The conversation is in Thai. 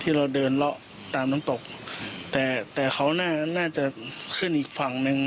เราเดินเลาะตามน้ำตกแต่แต่เขาน่าจะขึ้นอีกฝั่งหนึ่ง